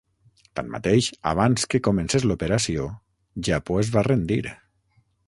Tanmateix, abans que comencés l'operació, Japó es va rendir.